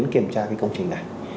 kiểm tra cái công trình này